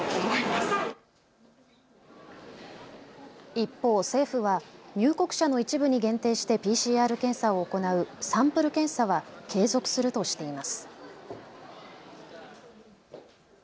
一方、政府は入国者の一部に限定してＰＣＲ検査を行うサンプル検査は継続するとしています。